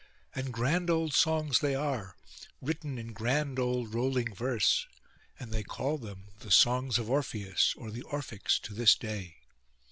And grand old songs they are, written in grand old rolling verse; and they call them the Songs of Orpheus, or the Orphics, to this day.